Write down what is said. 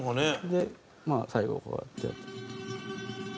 でまあ最後こうやって。